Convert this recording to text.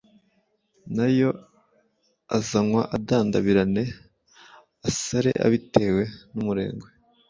na yo azanywa adandabirane asare abitewe n’umurengwe